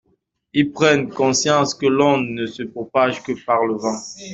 Ils prennent conscience que l’onde ne se propage que par le vent.